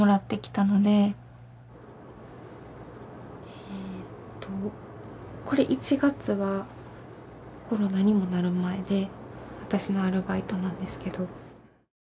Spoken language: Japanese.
えっとこれ１月はコロナにもなる前で私のアルバイトなんですけど。